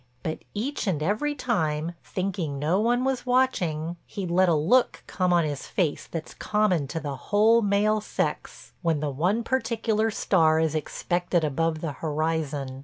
But each and every time, thinking no one was watching, he'd let a look come on his face that's common to the whole male sex when the one particular star is expected above the horizon.